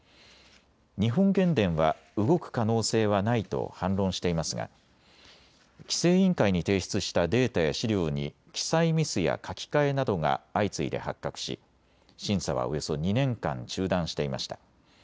日本原電は動く可能性はないと反論していますが規制委員会に提出したデータや資料に記載ミスや書き換えなどが相次いで発覚し審査はおよそ２年間中断していました。